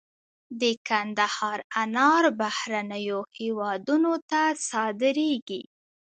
د کندهار انار بهرنیو هیوادونو ته صادریږي.